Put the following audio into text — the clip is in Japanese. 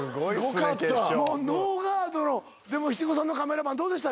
決勝ノーガードのでも七五三のカメラマンどうでした？